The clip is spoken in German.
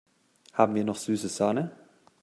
Haben wir noch süße Sahne?